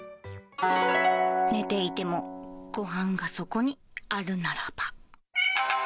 寝ていてもゴハンがそこにあるならば。